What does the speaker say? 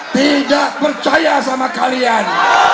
tidak percaya sama kalian